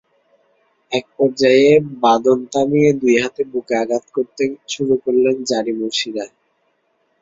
একপর্যায়ে বাদন থামিয়ে দুই হাতে বুকে আঘাত করতে করতে শুরু করলেন জারি-মর্সিয়া।